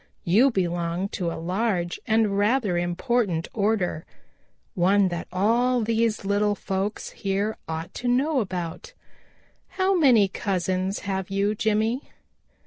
You belong to a large and rather important order, one that all these little folks here ought to know about. How many cousins have you, Jimmy?"